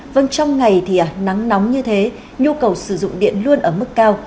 vâng trong ngày thì nắng nóng như thế nhu cầu sử dụng điện luôn ở mức cao